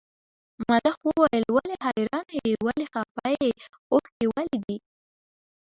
ملخ وویل ولې حیرانه یې ولې خپه یې اوښکي ولې دي.